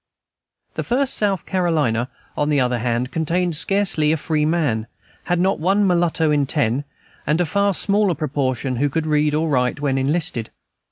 The First South Carolina, on the other hand, contained scarcely a freeman, had not one mulatto in ten, and a far smaller proportion who could read or write when enlisted.